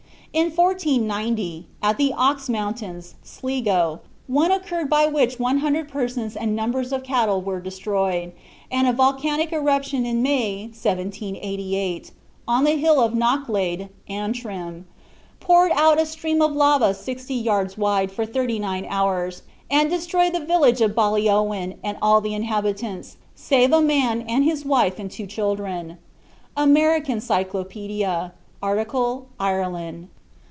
In 1490, at the Ox Mountains, Sligo, one occurred by which one hundred persons and numbers of cattle were destroyed; and a volcanic eruption in May, 1788, on the hill of Knocklade, Antrim, poured a stream of lava sixty yards wide for thirty nine hours, and destroyed the village of Ballyowen and all the inhabitants, save a man and his wife and two children. ("Amer. Cyclop.," art. Ireland.)